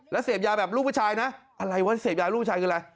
แล้วเสพยาแบบลูกผู้ชายนะอะไรวะเสพยาลูกชายคืออะไร